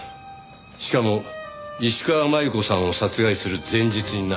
しかも石川真悠子さんを殺害する前日にな。